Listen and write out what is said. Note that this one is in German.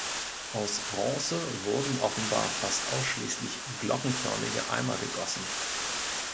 Aus Bronze wurden offenbar fast ausschließlich glockenförmige Eimer gegossen.